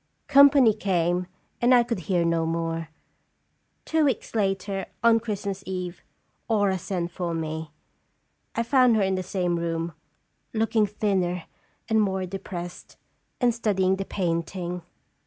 Company came, and I could hear no more. Two weeks later, on Christmas Eve, Aura sent for me. I found her in the same room, looking thinner and more depressed, and study ing the painting.